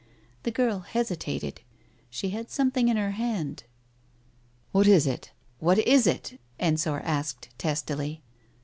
The girl hesitated. She had something in her hand. •.." What is it ? What is it ?" Ensor asked testily.